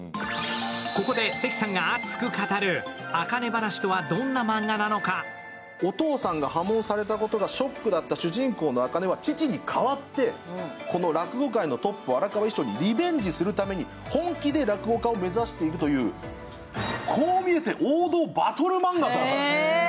ここで関さんが熱く語る、「あかね噺」とはお父さんが破門されたことがショックだった朱音は父に代わってこの落語界のトップにリベンジするために本気で落語家を目指していくという、こう見えて王道バトルマンガ。